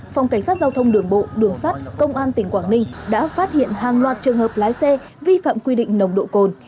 phòng cảnh sát giao thông đường bộ đường sắt công an tỉnh quảng ninh đã phát hiện hàng loạt trường hợp lái xe vi phạm quy định nồng độ cồn